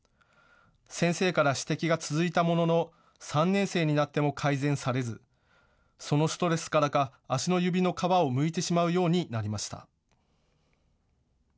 先生から指摘が続いたものの３年生になっても改善されずそのストレスからか足の指の皮をむいてしまうようになりました。